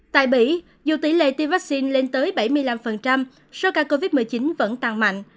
tại bỉ dù tỷ lệ tiêm vaccine lên tới bảy mươi năm số ca covid một mươi chín vẫn tăng mạnh